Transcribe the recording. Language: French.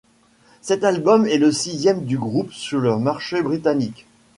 Cet album est le sixième du groupe sur le marché britannique.